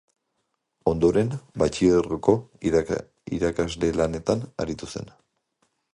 Ondoren, batxilergoko irakasle-lanetan aritu zen.